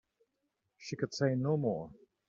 She could say no more.